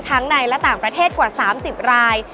ในและต่างประเทศกว่า๓๐ราย